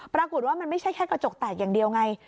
ปรากฏว่ามันไม่ใช่แค่กระจกแตกอย่างเดียวไง